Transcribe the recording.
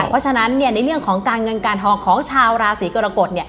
เพราะฉะนั้นในเรื่องของการเงินการทองของชาวราศีกรกฎ